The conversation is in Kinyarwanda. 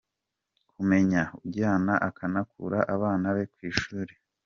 Kumenya ujyana akanakura abana be ku ishuli,